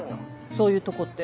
そういうとこって？